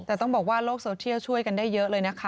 แต่ต้องบอกว่าโลกโซเชียลช่วยกันได้เยอะเลยนะคะ